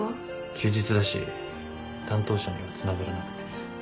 休日だし担当者にはつながらなくて。